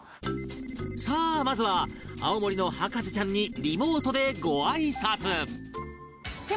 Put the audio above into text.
さあまずは青森の博士ちゃんにリモートでごあいさつ